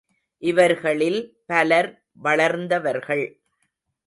இவர்களில் பலர் வளர்ந்தவர்கள்.